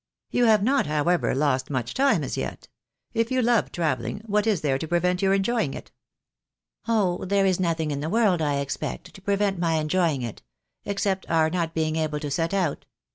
You have not, however, lost much time as yet. If you love travelling, what is there to prevent your enjoying it? "" Oh, there is nothing in the world, I expect, to prevent my enjoying it, except our not being able to set out.